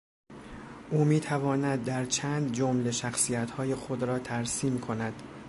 او میتواند در چند جمله شخصیتهای خود را ترسیم کند.